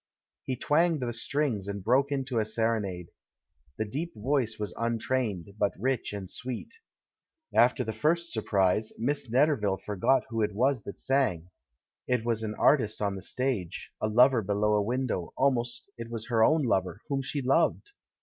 He twanged the strings, and broke into a sere THE CHILD IN THE GARDEN ITT nade. The deep voice was untrained, but rich and sweet. After the first surprise, Miss Netter ville forgot who it was that sang — it was an art ist on the stage, a lover below a window; almost it was her own lover, whom she loved